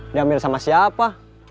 diambil sama siapa